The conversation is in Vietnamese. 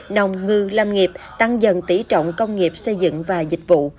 nồng ngư làm nghiệp tăng dần tỉ trọng công nghiệp xây dựng và dịch vụ